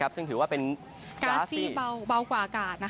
ซึ่งถือว่าเป็นการที่เบากว่าอากาศ